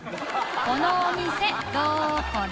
このお店どこだ？